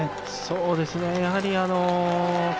そうですね。